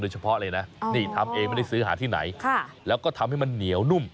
เฉพาะเลยนะนี่ทำเองไม่ได้ซื้อหาที่ไหนแล้วก็ทำให้มันเหนียวนุ่ม